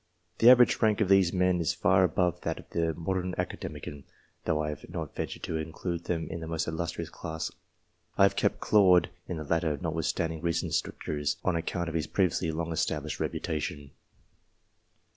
The average rank of these men is far above that of a modern Academician, though I have not ventured to include them in the most illustrious class. I have kept Claude in the latter, notwithstanding recent strictures, on account of his previously long established reputation.